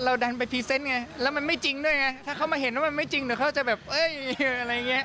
ดันไปพรีเซนต์ไงแล้วมันไม่จริงด้วยไงถ้าเขามาเห็นว่ามันไม่จริงเดี๋ยวเขาจะแบบเอ้ยอะไรอย่างเงี้